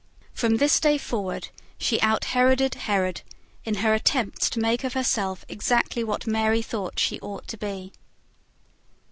From this day forward she out heroded Herod, in her efforts to make of herself exactly what Mary thought she ought to be.